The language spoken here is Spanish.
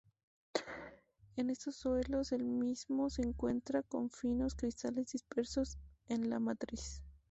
En estos suelos el mismo se encuentra como finos cristales dispersos en la matriz.